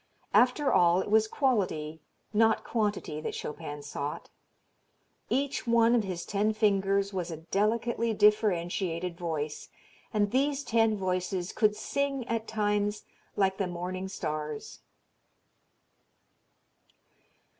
After all it was quality, not quantity that Chopin sought. Each one of his ten fingers was a delicately differentiated voice, and these ten voices could sing at times like the morning stars.